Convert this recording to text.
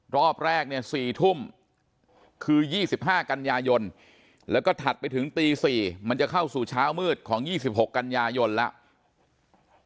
รอบแรกเนี่ย๔ทุ่มคือ๒๕กันยายนแล้วก็ถัดไปถึงตี๔มันจะเข้าสู่เช้ามืดของ๒๖กันยายนแล้ว